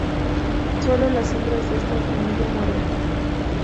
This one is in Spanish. Sólo las hembras de esta familia muerden.